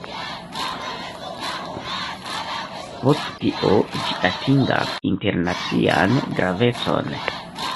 Post tio ĝi atingas internacian gravecon.